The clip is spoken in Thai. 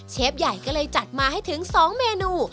ใหญ่ก็เลยจัดมาให้ถึง๒เมนู